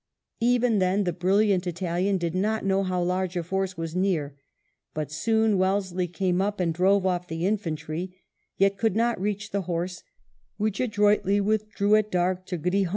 Even then the brilliant Italian did not know how large a force was near, but soon Wellesley came up, and drove off the infantry, yet could not reach the horse, which adroitly withdrew at dark to Grijon.